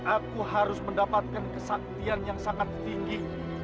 aku harus mendapatkan kesaktian yang sangat tinggi